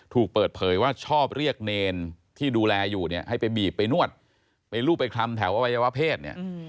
ถูกเปิดเผยว่าชอบเรียกเนรที่ดูแลอยู่เนี่ยให้ไปบีบไปนวดไปรูปไปคลำแถวอวัยวะเพศเนี่ย